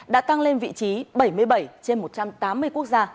đã tăng lên vị trí bảy mươi bảy trên một trăm tám mươi quốc gia